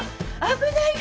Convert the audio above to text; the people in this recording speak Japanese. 危ない！？